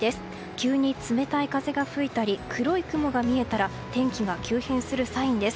急に冷たい風が吹いたり黒い雲が見えたら天気が急変するサインです。